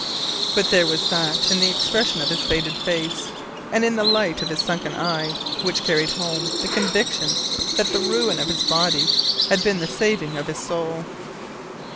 But there was that in the expression of his faded face, and in the light of his sunken eye, which carried home the conviction that the ruin of his body had been the saving of his soul.